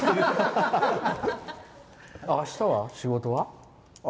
あしたは、仕事は？